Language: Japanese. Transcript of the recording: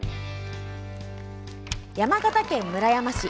山形県村山市。